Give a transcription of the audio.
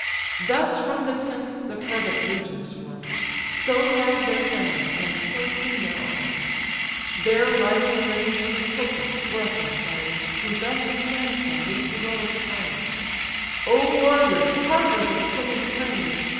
Thus from the tents the fervent legion swarms, So loud their clamours, and so keen their arms: Their rising rage Patroclus' breath inspires, Who thus inflames them with heroic fires: "O warriors, partners of Achilles' praise!